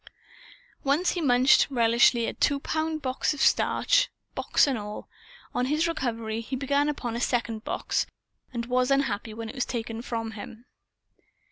Once he munched, relishfully, a two pound box of starch, box and all; on his recovery, he began upon a second box, and was unhappy when it was taken from him.